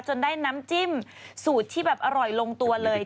จนได้น้ำจิ้มสูตรที่แบบอร่อยลงตัวเลย